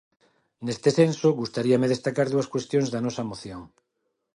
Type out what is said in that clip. Neste senso, gustaríame destacar dúas cuestións da nosa moción.